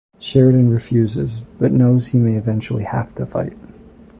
Sheridan refuses, but knows he may eventually have to fight.